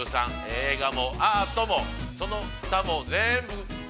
映画もアートもその他もぜんぶ」